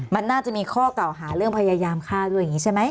มันน่าจะมีข้อเก่าหาเรื่องพยายามฆ่าด้วยอย่างนี้ใช่ไหม